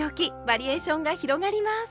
バリエーションが広がります！